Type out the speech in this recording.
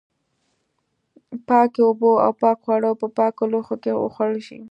پاکې اوبه او پاک خواړه په پاکو لوښو کې وخوړل شي.